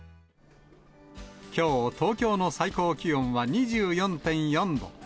きょう、東京の最高気温は２４．４度。